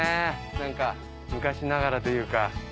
何か昔ながらというか。